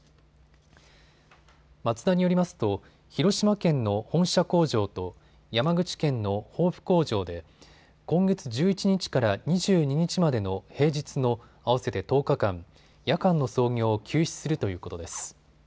マツダによりますと広島県の本社工場と山口県の防府工場で今月１１日から２２日までの平日の合わせて１０日間、夜間の操業を休止するということです。